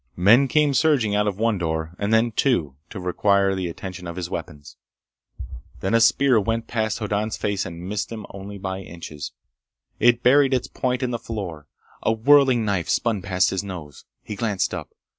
Men came surging out of one door, and then two, to require the attention of his weapons. Then a spear went past Hoddan's face and missed him only by inches. It buried its point in the floor. A whirling knife spun past his nose. He glanced up.